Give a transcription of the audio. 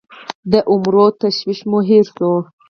د عمرو تشویش مو هېر سوو